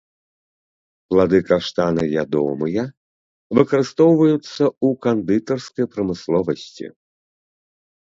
Плады каштана ядомыя, выкарыстоўваюцца ў кандытарскай прамысловасці.